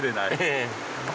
ええ。